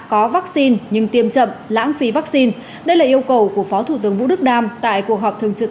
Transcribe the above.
có vaccine nhưng tiêm chậm lãng phí vaccine đây là yêu cầu của phó thủ tướng vũ đức đam tại cuộc họp thường trực